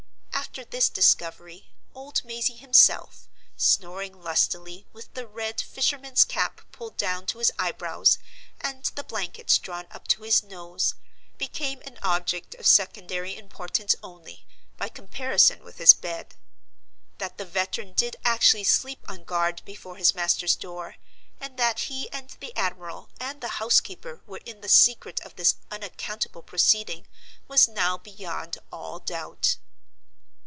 After this discovery, old Mazey himself, snoring lustily, with the red fisherman's cap pulled down to his eyebrows, and the blankets drawn up to his nose, became an object of secondary importance only, by comparison with his bed. That the veteran did actually sleep on guard before his master's door, and that he and the admiral and the housekeeper were in the secret of this unaccountable proceeding, was now beyond all doubt.